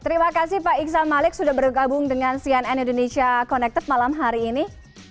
terima kasih pak iksan malik sudah bergabung dengan cnn indonesia connected malam hari ini